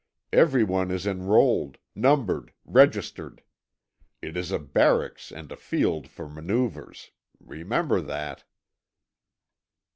Everyone is enrolled, numbered, registered. It is a barracks and a field for manoeuvres. Remember that."